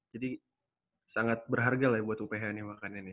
jadi sangat berharga lah buat uph nih makannya nih